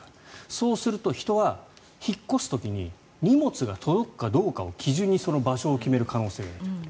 そうすると人は、引っ越す時に荷物が届くかどうかを基準にその場所を決める可能性があると。